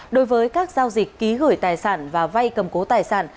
đối với các giao dịch ký gửi tài sản và vay cầm cố tài sản